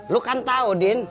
lu kan tau din